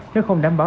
nếu không đảm bảo